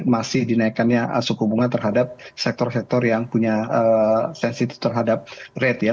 masih dinaikkannya suku bunga terhadap sektor sektor yang punya sensitif terhadap rate ya